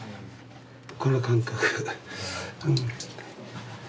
この感覚。